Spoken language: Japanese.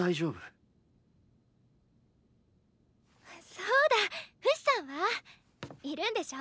そうだフシさんは？いるんでしょ？